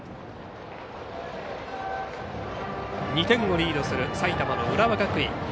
２点をリードする埼玉の浦和学院。